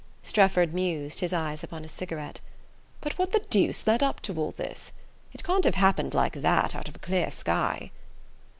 Strefford mused, his eyes upon his cigarette. "But what the deuce led up to all this? It can't have happened like that, out of a clear sky."